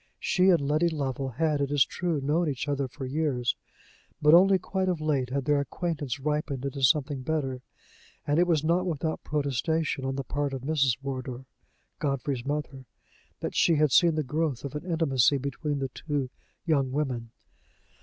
She and Letty Lovel had, it is true, known each other for years, but only quite of late had their acquaintance ripened into something better; and it was not without protestation on the part of Mrs. Wardour, Godfrey's mother, that she had seen the growth of an intimacy between the two young women.